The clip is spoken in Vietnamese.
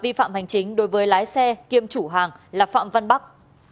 vi phạm hành chính đối với lái xe kiêm chủ hàng là phạm văn bắc